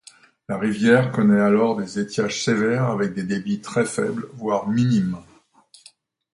La rivière connaît alors des étiages sévères avec des débits très faibles voire minimes.